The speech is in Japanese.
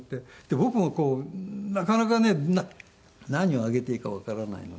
僕もこうなかなかね何をあげていいかわからないので。